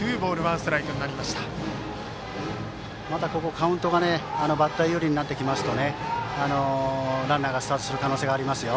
カウントがバッター有利になるとランナーがスタートする可能性がありますよ。